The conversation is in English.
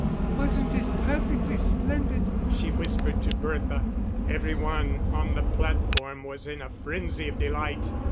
"Wasn't it perfectly splendid?" she whispered to Bertha. Every one on the platform was in a frenzy of delight.